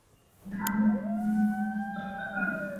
他在车店里买了一部可以在驾驶室做爱的高档小车。